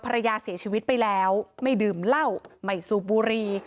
ภรรยาเสียชีวิตไปแล้วไม่ดื่มเหล้าไม่สูบบุรี